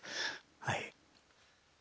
はい。